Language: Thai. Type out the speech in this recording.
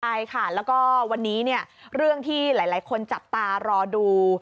ใช่ค่ะแล้วก็วันนี้เนี่ยเรื่องที่หลายคนจับตารอดู